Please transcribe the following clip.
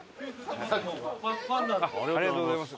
ありがとうございます。